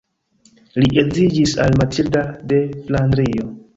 Li edziĝis al Matilda de Flandrio.